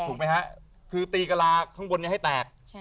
ถูกไหมฮะคือตีกระลาข้างบนให้แตก